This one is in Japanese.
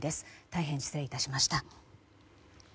大変失礼致しました。